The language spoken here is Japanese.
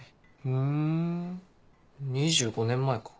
ふん２５年前か。